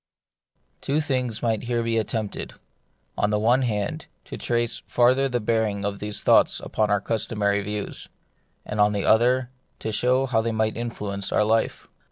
^pWO things might be here attempted : on the one hand, to trace farther the bearing of these thoughts upon our custom ary views ; and on the other, to show how they might influence our life.